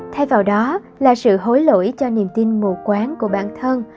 thay vào đó là sự hối lỗi cho niềm tin mù quán của bản thân